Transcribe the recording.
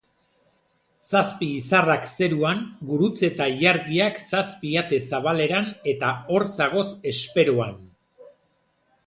Zazpi izarrak zeruan, gurutze ta ilargiak zazpi ate zabaleran eta hor zagoz esperoan